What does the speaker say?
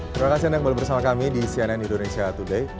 terima kasih anda kembali bersama kami di cnn indonesia today